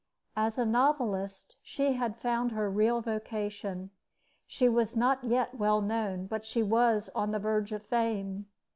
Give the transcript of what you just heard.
As a novelist, she had found her real vocation. She was not yet well known, but she was on the verge of fame.